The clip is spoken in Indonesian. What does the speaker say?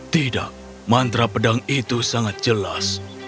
tidak mantra pedang itu sangat jelas